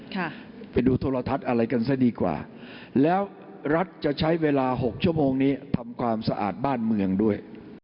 ค่ะไปดูโทรทัศน์อะไรกันซะดีกว่าแล้วรัฐจะใช้เวลาหกชั่วโมงนี้ทำความสะอาดบ้านเมืองด้วย